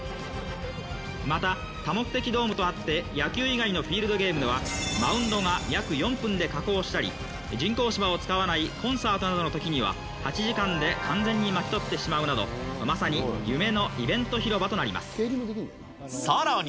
また多目的ドームとあって、野球以外のフィールドゲームでは、マウンドが約４分で下降したり、人工芝を使わないコンサートなどのときには、８時間で完全に巻き取ってしまうなど、まさに夢のイベント広場とさらに。